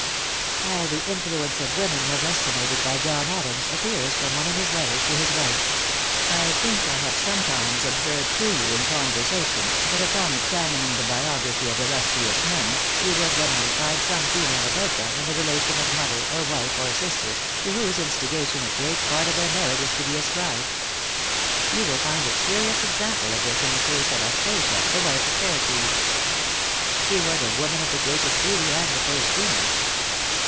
How the influence of women was estimated by John Adams, appears from one of his letters to his wife: "I think I have sometimes observed to you in conversation, that upon examining the biography of illustrious men, you will generally find some female about them, in the relation of mother, or wife, or sister, to whose instigation a great part of their merit is to be ascribed. You will find a curious example of this in the case of Aspasia, the wife of Pericles. She was a woman of the greatest beauty, and the first genius.